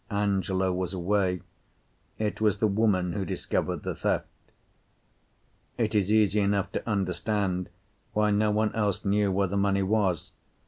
Angelo was away; it was the woman who discovered the theft. It is easy enough to understand why no one else knew where the money was.